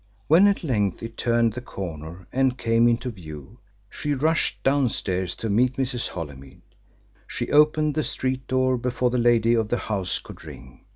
When at length it turned the corner and came into view, she rushed downstairs to meet Mrs. Holymead. She opened the street door before the lady of the house could ring.